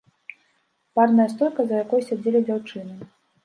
Барная стойка, за якой сядзелі дзяўчыны.